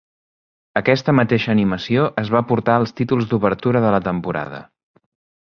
Aquesta mateixa animació es va portar als títols d'obertura de la temporada.